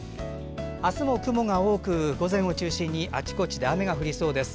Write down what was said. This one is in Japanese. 明日も雲が多く、午前を中心にあちこちで雨が降りそうです。